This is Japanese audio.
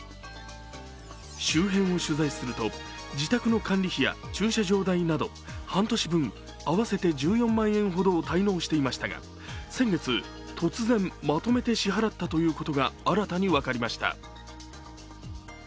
周辺を取材すると、自宅の管理費や駐車場代など半年分、合わせて１４万円ほどを滞納していましたが先月、突然、まとめて支払ったということが新たに分かりました。